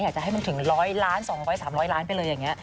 อยากจะให้มันถึง๑๐๐ล้าน๒๐๐๓๐๐ล้านไปเลยอย่างนี้